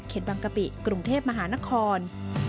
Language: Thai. เข็ดวังกะปิกรุงเทพมหานคร